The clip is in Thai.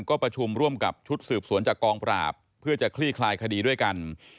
ก็ประชุมร่วมกับชุดสืบสวนจากกองปราบเพื่อจะคลี่คลายคดีด้วยกัน